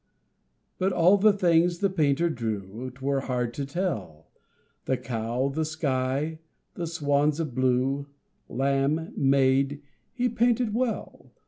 But all the things the painter drew 'Twere hard to tell The cow, the sky, the swans of blue, Lamb, maid, he painted well.